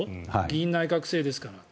議院内閣制ですから。